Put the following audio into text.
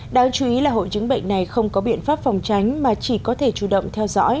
đáng chú ý là hội chứng bệnh này không có biện pháp phòng tránh mà chỉ có thể chủ động theo dõi